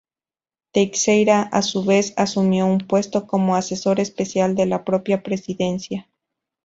Teixeira, a su vez, asumió un puesto como asesor especial de la propia presidencia.